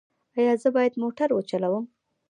ایا زه باید موټر وچلوم؟